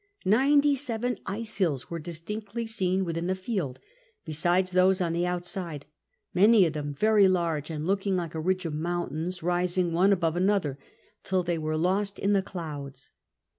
Ninety seven ice hills were distinctly seen within the field, besides those on the outside — many of them very large, and looking like a ridge of moun tains rising one above another till they were lost in the clouds.